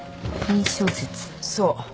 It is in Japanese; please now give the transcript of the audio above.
そう。